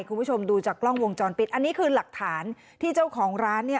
คุณผู้ชมดูจากกล้องวงจรปิดอันนี้คือหลักฐานที่เจ้าของร้านเนี่ย